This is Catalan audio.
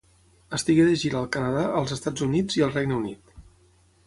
Estigué de gira al Canadà, als Estats Units, i al Regne Unit.